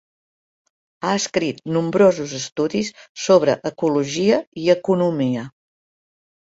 Ha escrit nombrosos estudis sobre ecologia i economia.